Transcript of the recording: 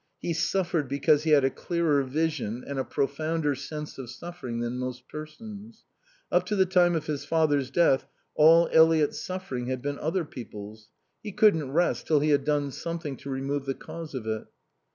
He suffered because he had a clearer vision and a profounder sense of suffering than most persons. Up to the time of his father's death all Eliot's suffering had been other people's. He couldn't rest till he had done something to remove the cause of it.